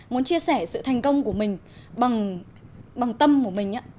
muốn chia sẻ sự thành công của mình bằng tâm của mình